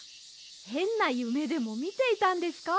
へんなゆめでもみていたんですか？